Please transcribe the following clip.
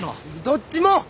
どっちも。